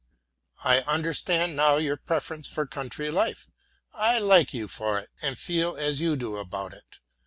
I understand now your preference for country life, I like you for it and feel as you do about it.